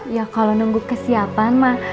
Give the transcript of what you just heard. ya kalau nunggu kesiapan mah